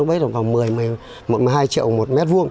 khoảng một mươi hai triệu một m hai